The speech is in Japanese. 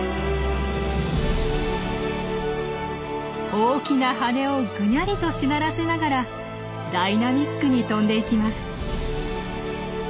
大きな羽をぐにゃりとしならせながらダイナミックに飛んでいきます。